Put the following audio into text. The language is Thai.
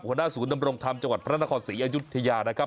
หัวหน้าศูนย์ดำรงธรรมจังหวัดพระนครศรีอยุธยานะครับ